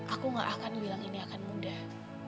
aku gak akan bilang ini akan mudah